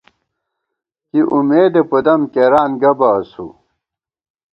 کی امېدے پُدم کېران گہ بہ اسُو